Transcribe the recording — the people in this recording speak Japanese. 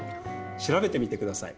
調べてみてください。